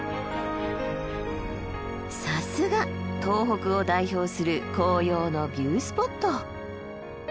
さすが東北を代表する紅葉のビュースポット。